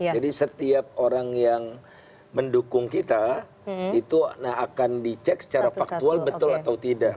jadi setiap orang yang mendukung kita itu akan dicek secara faktual betul atau tidak